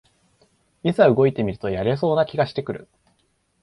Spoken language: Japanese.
いざ動いてみるとやれそうな気がしてくる